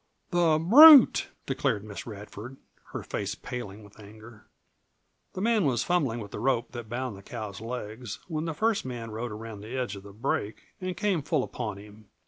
"The brute!" declared Miss Radford, her face paling with anger. The man was fumbling with the rope that bound the cow's legs, when the first man rode around the edge of the break and came full upon him.